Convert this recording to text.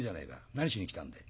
何しに来たんだい？」。